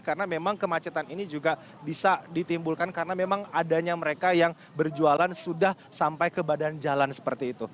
karena memang kemacetan ini juga bisa ditimbulkan karena memang adanya mereka yang berjualan sudah sampai ke badan jalan seperti itu